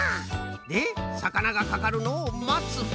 でさかながかかるのをまつ。